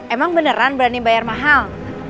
emang beneran berani bayar mahal